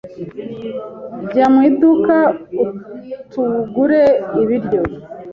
Jya mu iduka utugure ibiryo.